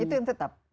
itu yang tetap